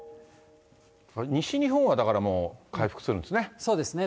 西日本はだからもう、回復するんですね。